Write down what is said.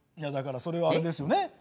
いやだからそれはあれですよね。